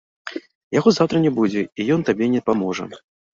Яго заўтра не будзе, і ён табе не паможа.